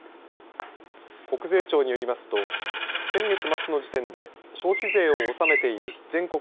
国税庁によりますと先月末の時点で消費税を納めている全国